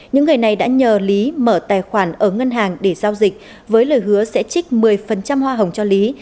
những người này đã nhờ lý mở tài khoản ở ngân hàng để giao dịch với lời hứa sẽ trích một mươi hoa hồng cho lý